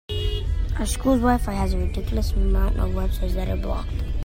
Her school’s WiFi has a ridiculous amount of websites that are blocked.